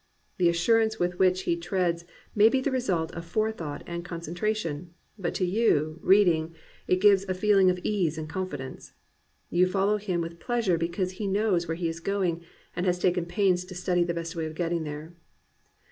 The assurance with which he treads may be the result of fore thought and concentration, but to you, reading, it gives a feeling of ease and confidence. You fol low him with pleasure because he knows where he is going and has taken pains to study the best way of getting there.